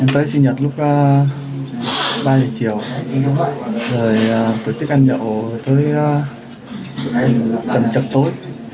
em tới sinh nhật lúc ba giờ chiều rồi tổ chức ăn nhậu tới tầm chậm tối